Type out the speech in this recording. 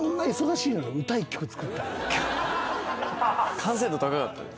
完成度高かったですね。